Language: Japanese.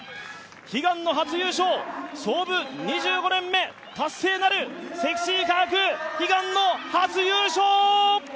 悲願の初優勝、創部２５年目、達成なる積水化学悲願の初優勝。